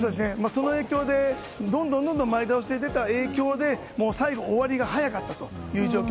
その影響で、どんどん前倒しで出た影響で終わりが早かったという状況。